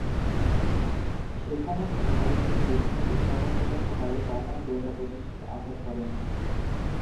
সেখানে থাকাকালীন, তিনি বিভিন্ন উদ্ভাবনমূলক উপায়ে জার্মান গোয়েন্দা প্রচেষ্টাকে আঘাত করেন।